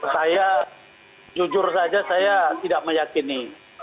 saya jujur saja saya tidak meyakini